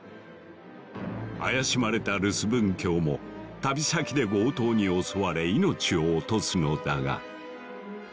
怪しまれたルスブン卿も旅先で強盗に襲われ命を落とすのだが。